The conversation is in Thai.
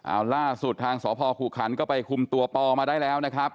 อ้าวล่าสุดทางสหคุณฮัริกัณฑ์ก็ไปคุมตัวปอมาได้แล้วนะครับ